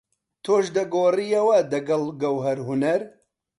تۆش دەگۆڕیەوە دەگەڵ گەوهەر هونەر؟